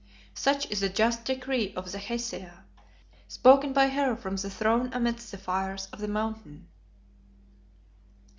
"Such is the just decree of the Hesea, spoken by her from her throne amidst the fires of the Mountain."